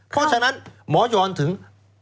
เพราะฉะนั้นหมอยอนถึง